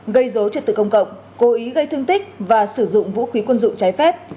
gây dối trật tự công cộng cố ý gây thương tích và sử dụng vũ khí quân dụng trái phép